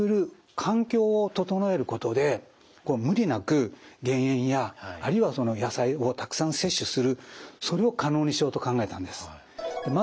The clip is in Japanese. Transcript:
無理なく減塩やあるいは野菜をたくさん摂取するそれを可能にしようと考えたんです。